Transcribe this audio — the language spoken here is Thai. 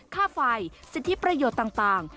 ค่าไฟสิทธิประโยชน์ต่าง